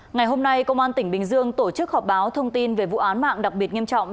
ngày hôm nay công an tỉnh bình dương tổ chức họp báo thông tin về vụ án mạng đặc biệt nghiêm trọng